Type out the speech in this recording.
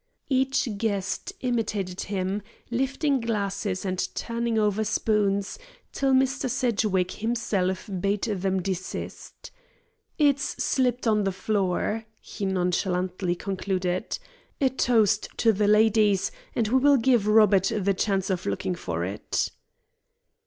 Each guest imitated him, lifting glasses and turning over spoons till Mr. Sedgwick himself bade them desist. "It's slipped to the floor," he nonchalantly concluded. "A toast to the ladies, and we will give Robert the chance of looking for it."